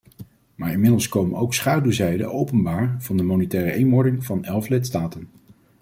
Maar inmiddels komen ook schaduwzijden openbaar van de monetaire eenwording van elf lidstaten.